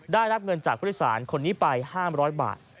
ได้รับเงินจากผู้โดยสารคนนี้ไป๕๐๐บาท